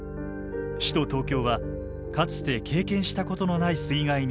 首都東京はかつて経験したことのない水害に見舞われるのです。